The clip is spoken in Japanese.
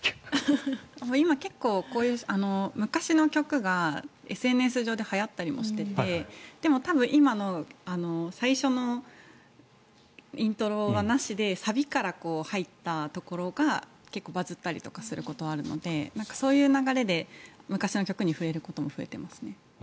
今、昔の曲がＳＮＳ上ではやったりもしててでも、今の最初のイントロはなしでサビから入ったところが結構、バズったりするところがあるのでそういう流れで昔の曲に触れることも増えてますね。